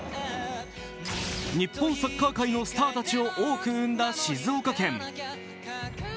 日本サッカー界のスターたちを多く生んだ静岡県。